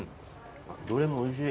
どれもおいしい。